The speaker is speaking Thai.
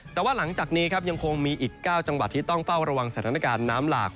แต่ว่าหลังจากนี้ครับยังคงมีอีก๙จังหวัดที่ต้องเฝ้าระวังสถานการณ์น้ำหลาก